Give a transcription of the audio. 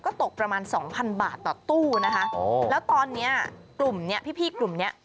ก็ตกประมาณ๒๐๐๐บาทต่อตู้นะคะแล้วตอนนี้กลุ่มนี้พี่กลุ่มนี้